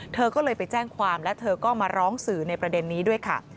เธอก็เลยไปแจ้งความและเธอก็มาร้องสื่อในประเด็นนี้ด้วยค่ะ